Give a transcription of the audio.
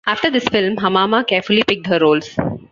After this film, Hamama carefully picked her roles.